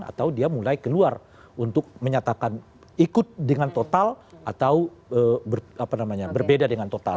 atau dia mulai keluar untuk menyatakan ikut dengan total atau berbeda dengan total